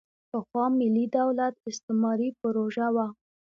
پخوا ملي دولت استعماري پروژه وه.